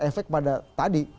beresiko pada tadi